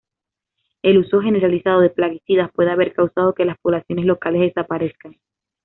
El uso generalizado de plaguicidas puede haber causado que las poblaciones locales desaparezcan.